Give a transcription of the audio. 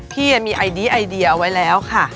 พี่มีไอดีเอาไว้แล้วค่ะ